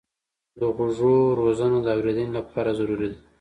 د غوږو روزنه د اورېدنې لپاره ضروري ده.